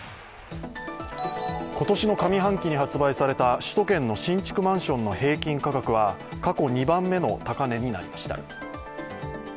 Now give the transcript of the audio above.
今年の上半期に発売された首都圏の新築マンションの平均価格は過去２番目の高値になりました。